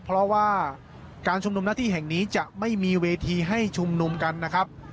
เพราะว่าการชุมนุมหน้าที่แห่งนี้จะไม่มีเวทีให้ชุมนุมกันนะครับ